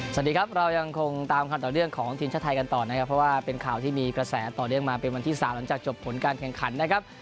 สวัสดีครับเรายังคงตามความต่อเนื่องของทีมชาติไทยกันต่อนะครับเพราะว่าเป็นข่าวที่มีกระแสต่อเนื่องมาเป็นวันที่สามหลังจากจบผลการแข่งขันนะครับ